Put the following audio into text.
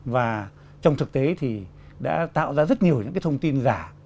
và trong thực tế thì đã tạo ra rất nhiều những cái thông tin giả